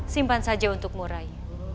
simpan saja untukmu rai